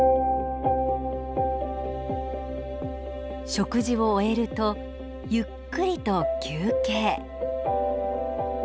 食事を終えるとゆっくりと休憩。